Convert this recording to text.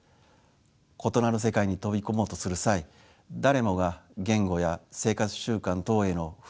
異なる世界に飛び込もうとする際誰もが言語や生活習慣等への不安を感じることでしょう。